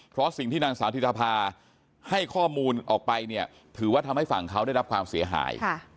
เพราะสิ่งที่นางสาวธิธภาให้ข้อมูลออกไปเนี่ยถือว่าทำให้ฝั่งเขาได้รับความเสียหาย